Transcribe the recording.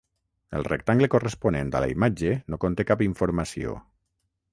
El rectangle corresponent a la imatge no conté cap informació.